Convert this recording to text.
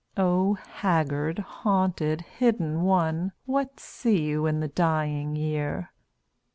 O haggard, haunted, hidden One What see you in the dying year?